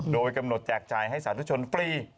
โดยกำหนดแจกจ่ายให้สาธุชนฟรี